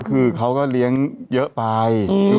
เค้าก็เลี้ยงเยอะไป